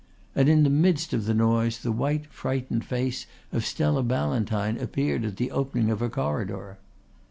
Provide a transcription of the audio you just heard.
And in the midst of the noise the white frightened face of Stella Ballantyne appeared at the opening of her corridor.